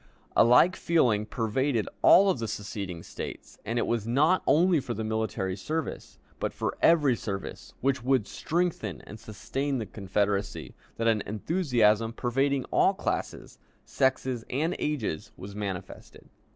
A like feeling pervaded all of the seceding States, and it was not only for the military service, but for every service which would strengthen and sustain the Confederacy, that an enthusiasm pervading all classes, sexes, and ages was manifested.